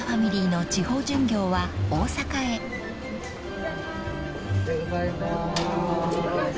おはようございます。